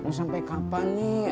udah sampai kapan nih